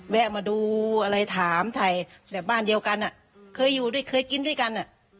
แวะมาดูอะไรถามถ่ายแบบบ้านเดียวกันเคยอยู่ด้วยเคยกินด้วยกัน